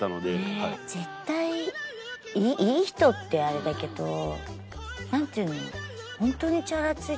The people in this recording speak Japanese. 絶対いい人ってあれだけどなんていうの。